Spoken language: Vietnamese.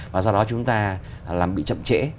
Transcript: và do đó chúng ta bị chậm trễ